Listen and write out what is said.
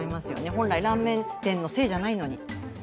本来ラーメン店のせいじゃないのに。